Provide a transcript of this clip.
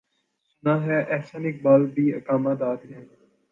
سناہے احسن اقبال بھی اقامہ دارہیں۔